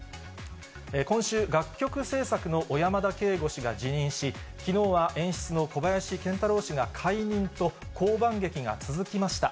今週、楽曲制作の小山田圭吾氏が辞任し、きのうは演出の小林賢太郎氏が解任と、降板劇が続きました。